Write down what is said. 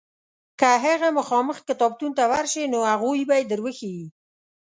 که هغه مخامخ کتابتون ته ورشې نو هغوی به یې در وښیي.